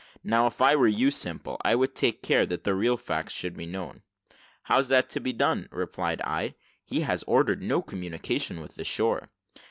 "Now, if I were you, Simple, I would take care that the real facts should be known." "How's that to be done," replied I; "he has ordered no communication with the shore."